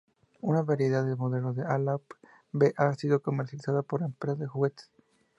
Una variedad de modelos de Ala-b ha sido comercializada por empresas de juguetes.